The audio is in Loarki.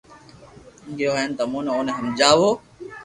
گيو ھون تمي اووني ھمجاوو